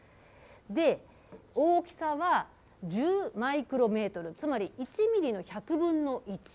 で、大きさは１０マイクロメートル、つまり１ミリの１００分の１。